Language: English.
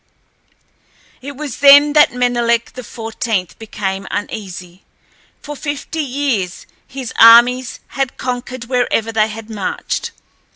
It was then that Menelek XIV became uneasy. For fifty years his armies had conquered wherever they had marched.